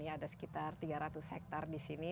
ada sekitar tiga ratus hektare di sini